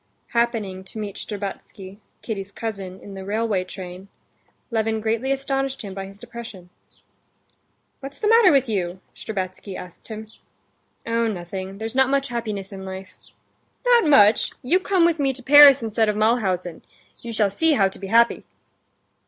Happening to meet Shtcherbatsky, Kitty's cousin, in the railway train, Levin greatly astonished him by his depression. "What's the matter with you?" Shtcherbatsky asked him. "Oh, nothing; there's not much happiness in life." "Not much? You come with me to Paris instead of to Mulhausen. You shall see how to be happy."